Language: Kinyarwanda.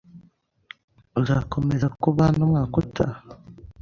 Uzakomeza kuba hano umwaka utaha?